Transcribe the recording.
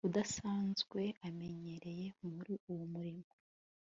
udasanzwe amenyereye muri uwo murimo